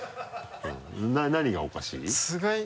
何がおかしい？